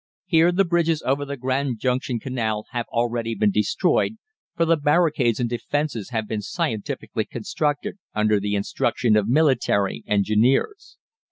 Here the bridges over the Grand Junction Canal have already been destroyed, for the barricades and defences have been scientifically constructed under the instruction of military engineers.